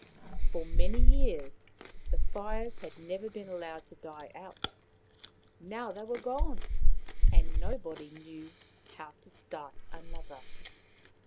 For many years the fires had never been allowed to die out. Now they were gone, and nobody knew how to start another.